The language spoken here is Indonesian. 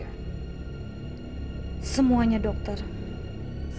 apa saja yang dibicarakan tika semuanya dokter yangwards aku usually really hate you